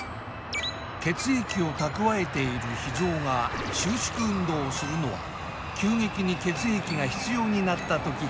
血液を蓄えている脾ぞうが収縮運動をするのは急激に血液が必要になった時くらい。